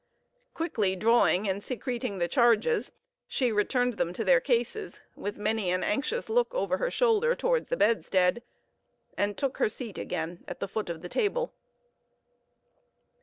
Quickly drawing and secreting the charges, she returned them to their cases, with many an anxious look over her shoulder towards the bedstead, and took her seat again at the foot of the table.